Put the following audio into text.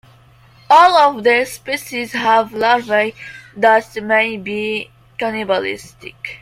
All of these species have larvae that may be cannibalistic.